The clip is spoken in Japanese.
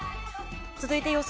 続いて予想